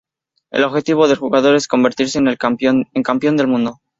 El objetivo del jugador es convertirse en Campeón del Mundo.